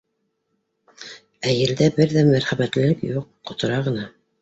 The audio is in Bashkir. Ә елдә бер ҙә мәрхәмәтлелек юҡ — ҡотора ғына!